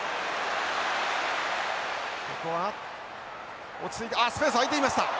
ここは落ち着いてああスペース空いていました。